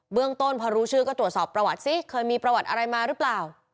เรื่องต้นพอรู้ชื่อก็ตรวจสอบประวัติซิเคยมีประวัติอะไรมาหรือเปล่า